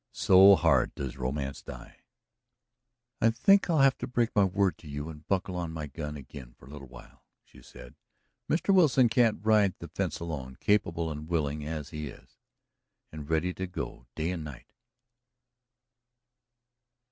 So hard does romance die. "I think I'll have to break my word to you and buckle on my gun again for a little while," she said. "Mr. Wilson can't ride the fence alone, capable and willing as he is, and ready to go day and night."